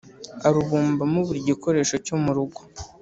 arubumbamo buri gikoresho cyo mu rugo;